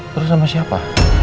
terus sama siapa